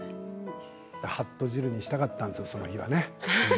はっと汁にしたかったんですよね、その日は。